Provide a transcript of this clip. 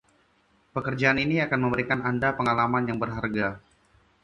Pekerjaan ini akan memberikan Anda pengalaman yang berharga.